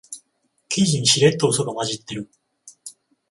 記事にしれっとウソが混じってる